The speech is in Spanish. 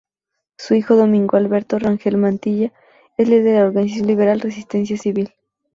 Su hijo Domingo Alberto Rangel Mantilla es líder de la organización liberal Resistencia Civil.